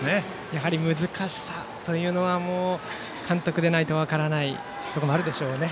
やはり難しさというのは監督でないと分からないこともあるでしょうね。